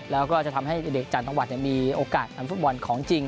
แล้วก็จะทำให้เด็กต่างจังหวัดมีโอกาสทำฟุตบอลของจริง